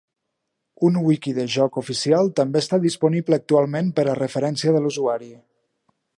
Un wiki del joc oficial també està disponible actualment per a referència de l'usuari.